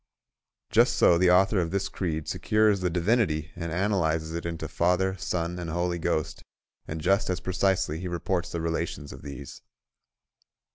Just so the author of this creed secures the Divinity and analyses it into Father, Son, and Holy Ghost, and just as precisely he reports the relations of these.